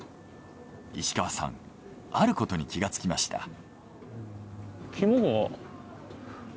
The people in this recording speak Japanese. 石川さんあることに気がつきました。